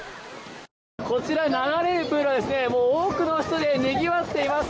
こちら、流れるプールは多くの人でにぎわっています。